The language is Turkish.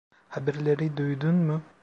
Haberleri duydun mu?